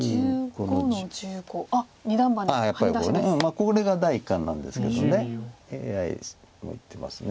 これが第一感なんですけどＡＩ載ってますね。